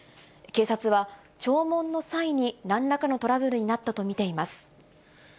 警察は弔問の際になんらかのトラブルになったと見ています。